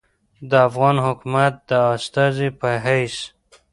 د افغان حکومت د استازي پۀ حېث